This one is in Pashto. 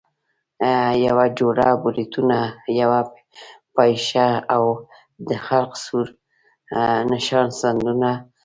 یوه جوړه بریتونه، یوه پاپشه او د خلق سور نښان سندونه وو.